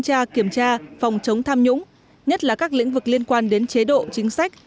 tra kiểm tra phòng chống tham nhũng nhất là các lĩnh vực liên quan đến chế độ chính sách